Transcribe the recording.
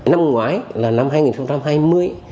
năm ngoái là năm hai nghìn hai mươi